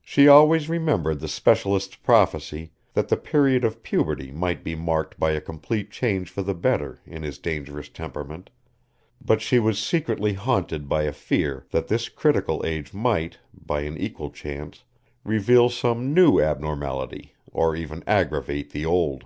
She always remembered the specialist's prophecy that the period of puberty might be marked by a complete change for the better in his dangerous temperament, but she was secretly haunted by a fear that this critical age might, by an equal chance, reveal some new abnormality or even aggravate the old.